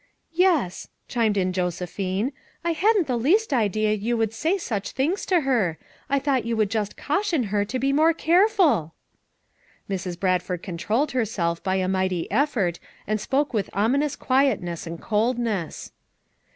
"Yes," chimed in Josephine, "I hadn't the least idea you would say such things to her; I thought you would just caution her to be more careful." Mrs. Bradford controlled herself by a mighty effort and spoke with ominous quietness and coldness.